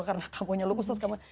karena kamu lupus terus kamu